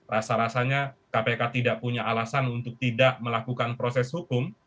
rasa rasanya kpk tidak punya alasan untuk tidak melakukan proses hukum